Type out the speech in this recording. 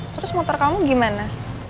terus motor kamu gimana